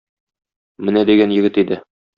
Менә дигән егет иде.